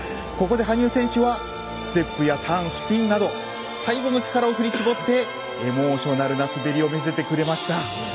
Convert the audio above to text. ここで羽生選手はステップや、ターン、スピンなど最後の力を振り絞ってエモーショナルな滑りを見せてくれました。